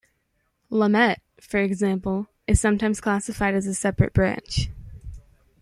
Lamet, for example, is sometimes classified as a separate branch.